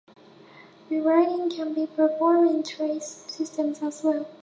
Rewriting can be performed in trace systems as well.